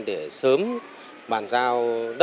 để sớm bàn giao hình mẫu đô thị